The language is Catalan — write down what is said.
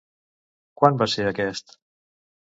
Quan va ser aquest?